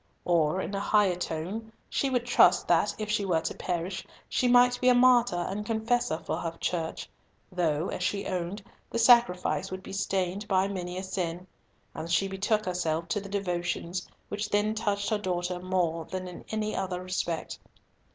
Or in a higher tone, she would trust that, if she were to perish, she might be a martyr and confessor for her Church, though, as she owned, the sacrifice would be stained by many a sin; and she betook herself to the devotions which then touched her daughter more than in any other respect.